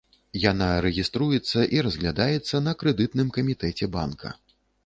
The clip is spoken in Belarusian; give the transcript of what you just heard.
Яна рэгіструецца і разглядаецца на крэдытным камітэце банка.